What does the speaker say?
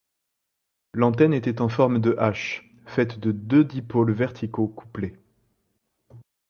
L'antenne était en forme de H, faite de deux dipôles verticaux couplés.